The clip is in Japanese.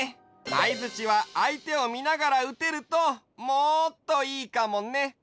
あいづちは相手を見ながら打てるともっといいかもね！